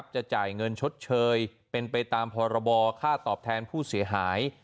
จะจ่ายเงินชดเชยเป็นไปตามพรบค่าตอบแทนผู้เสียหาย